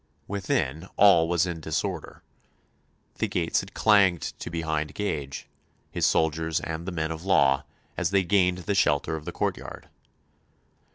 Within all was in disorder. The gates had clanged to behind Gage, his soldiers, and the men of law, as they gained the shelter of the courtyard.